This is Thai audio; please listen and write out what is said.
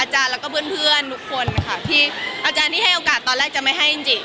อาจารย์แล้วก็เพื่อนทุกคนอาจารย์ที่ให้โอกาสตอนแรกจะไม่ให้อินจิ